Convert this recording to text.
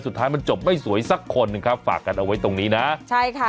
สุดท้ายมันจบไม่สวยสักคนหนึ่งครับฝากกันเอาไว้ตรงนี้นะใช่ค่ะ